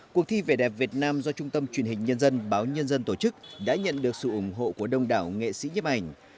cuộc thi vẻ đẹp việt nam do trung tâm truyền hình nhân dân báo nhân dân tổ chức đã nhận được sự ủng hộ của đông đảo nghệ sĩ nhấp ảnh